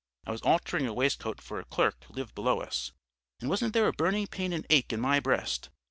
I was altering a waistcoat for a clerk who lived below us. And wasn't there a burning pain and ache in my breast!